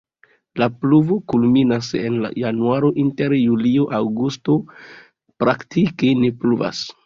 La pluvo kulminas en januaro, inter julio-aŭgusto praktike ne pluvas.